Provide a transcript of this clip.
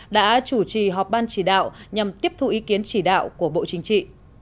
đã chủ trì họp ban chỉ đạo nhằm tiếp thu ý kiến chỉ đạo của bộ chính trị